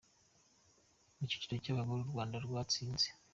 Mu cyiciro cy’abagore, u Rwanda rwatsinze